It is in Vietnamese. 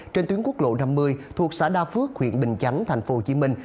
trên tuyến quốc lộ năm mươi thuộc xã đa phước huyện bình chánh thành phố hồ chí minh